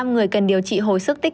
năm người cần điều trị hồi sức tích